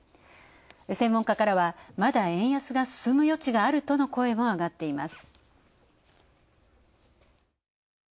専門家からは、まだ円安が進む余地があるとの声も上がっています。